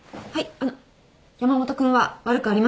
あの山本君は悪くありません。